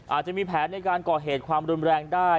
อาจจะมีแผนในการก่อเหตุความรุนแรงได้